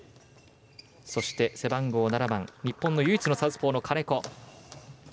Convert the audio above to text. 背番号７番、日本の唯一のサウスポーの金子。